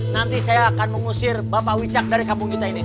nanti saya akan mengusir bapak wicak dari kampung kita ini